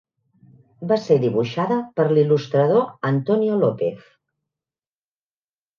Va ser dibuixada per l'il·lustrador Antonio López.